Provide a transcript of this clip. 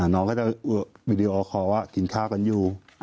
น้องก็จะวีดีโอคอลว่ากินข้าวกันอยู่